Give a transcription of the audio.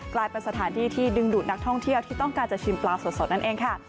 กลายเป็นสถานที่ที่ดึงดูดนักท่องเที่ยวที่ต้องการจะชิมปลาสดนั่นเองค่ะ